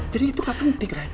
jadi itu gak penting rain